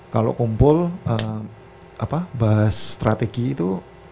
kalau kumpul bahas strategi itu